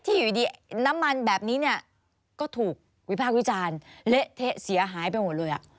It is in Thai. อยู่ดีน้ำมันแบบนี้เนี่ยก็ถูกวิพากษ์วิจารณ์เละเทะเสียหายไปหมดเลย